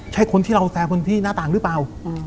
ใช่คนที่เราแซงคนที่หน้าต่างหรือเปล่า